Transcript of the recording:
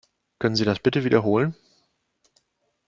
Können Sie das bitte wiederholen?